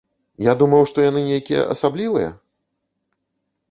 Я думаў, што яны нейкія асаблівыя?